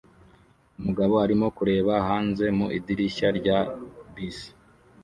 Umugabo arimo kureba hanze mu idirishya rya bisi